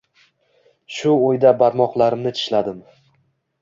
Shu oʻyda barmoqlarimni tishladim.